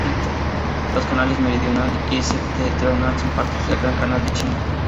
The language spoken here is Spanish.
Los canales Meridional y Septentrional son partes del Gran Canal de China.